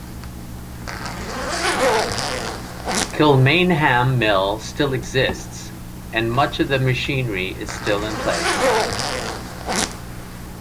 Kilmainham mill still exists and much of the machinery is still in place.